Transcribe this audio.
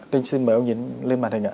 tôi xin mời ông nhìn lên màn hình ạ